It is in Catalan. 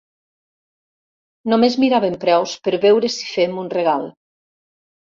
Només miràvem preus per veure si fem un regal.